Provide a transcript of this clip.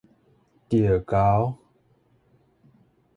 著猴